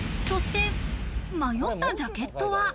そして迷ったジャケットは。